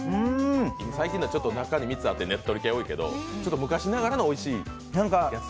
最近のは中に蜜があってねっとり系が多いけど、ちょっと昔ながらのおいしいやつ。